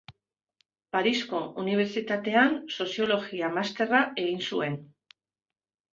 Parisko Unibertsitatean Soziologia masterra egin zuen.